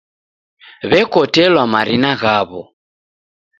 W'ekotelwa marina ghawo